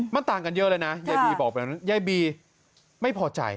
มันต่างกันเยอะเลยนะยายบีบอกแบบนั้นยายบีไม่พอใจ